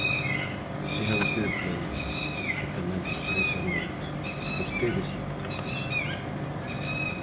Siga vostede por aí, que tamén progresa moito; vostede si que progresa.